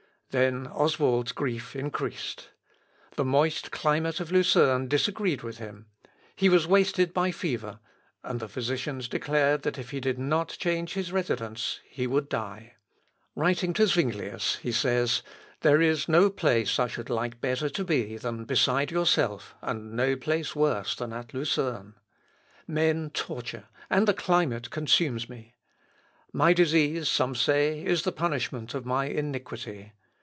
Then Oswald's grief increased. The moist climate of Lucerne disagreed with him. He was wasted by fever; and the physicians declared that if he did not change his residence he would die. Writing to Zuinglius, he says, "There is no place I should like better to be than beside yourself, and no place worse than at Lucerne. Men torture, and the climate consumes me. My disease, some say, is the punishment of my iniquity.